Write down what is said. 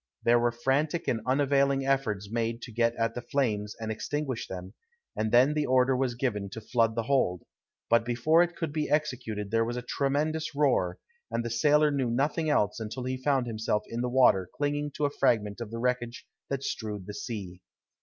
There were frantic and unavailing efforts made to get at the flames and extinguish them; and then the order was given to flood the hold, but before it could be executed there was a tremendous roar, and the sailor knew nothing else until he found himself in the water clinging to a fragment of the wreckage that strewed the sea.